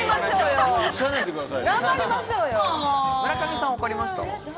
村上さん、分かりました？